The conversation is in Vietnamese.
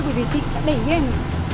bởi vì chị đã đẩy em